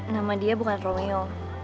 nama dia bukan romeo